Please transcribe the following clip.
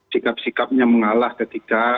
sikap sikapnya mengalah ketika